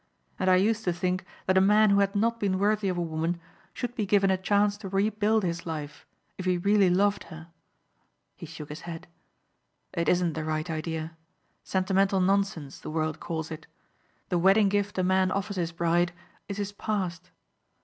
And I used to think that a man who had not been worthy of a woman should be given a chance to rebuild his life if he really loved her." He shook his head. "It isn't the right idea. Sentimental nonsense the world calls it. The wedding gift a man offers his bride is his past."